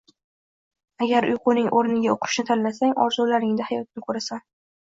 Agar uyquning o`rniga o`qishni tanlasang, orzularingni hayotda ko`rasan